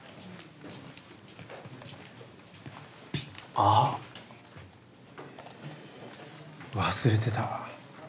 あっ忘れてた。